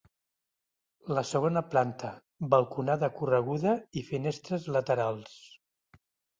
La segona planta, balconada correguda i finestres laterals.